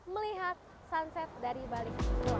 melihat sunset dari bali